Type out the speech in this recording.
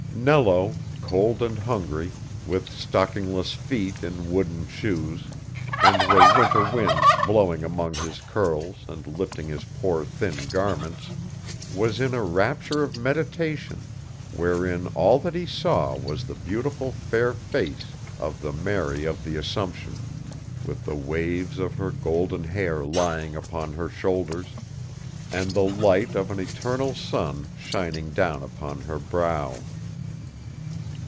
Nello, cold and hungry, with stockingless feet in wooden shoes, and the winter winds blowing among his curls and lifting his poor thin garments, was in a rapture of meditation, wherein all that he saw was the beautiful fair face of the Mary of the Assumption, with the waves of her golden hair lying upon her shoulders, and the light of an eternal sun shining down upon her brow.